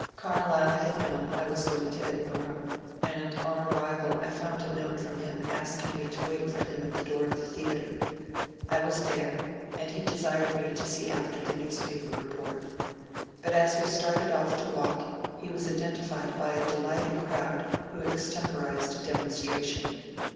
Carlyle had known I was going to Edin burgh, and on arrival I found a note from him asking me to wait for him at the door of the theatre ; I was there, and he desired me to see after the newspaper report. But as we started off to walk he was identified by a delighted crowd who extem porized a demonstration.